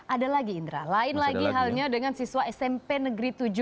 ada lagi indra lain lagi halnya dengan siswa smp negeri tujuh